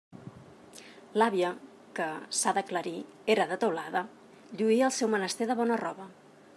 L'àvia, que, s'ha d'aclarir, era de Teulada, lluïa el seu menester de bona roba.